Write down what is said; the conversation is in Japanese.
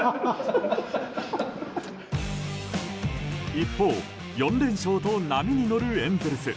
一方４連勝と波に乗るエンゼルス。